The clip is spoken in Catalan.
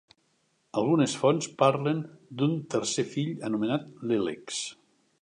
Algunes fonts parlen d'un tercer fill, anomenat Lelex.